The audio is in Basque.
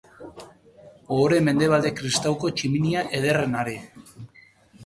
Ohore mendebalde kristauko tximinia ederrenari!